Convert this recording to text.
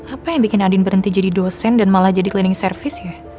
apa yang bikin andin berhenti jadi dosen dan malah jadi cleaning service ya